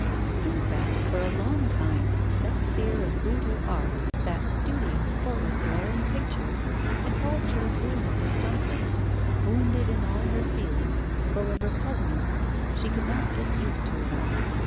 In fact, for a long time that sphere of brutal art, that studio full of glaring pictures, had caused her a feeling of discomfort. Wounded in all her feelings, full of repugnance, she could not get used to it all.